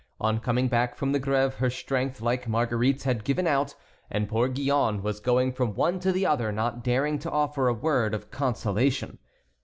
On coming back from the Grève her strength, like Marguerite's, had given out, and poor Gillonne was going from one to the other, not daring to offer a word of consolation.